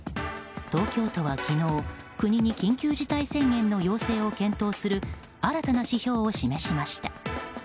東京都は昨日国に緊急事態宣言の陽性を検討する新たな指標を示しました。